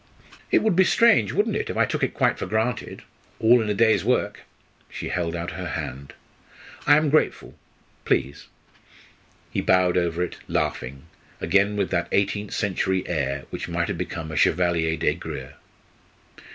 "It would be strange, wouldn't it, if I took it quite for granted all in the day's work?" She held out her hand: "I am grateful please." He bowed over it, laughing, again with that eighteenth century air which might have become a Chevalier des Grieux.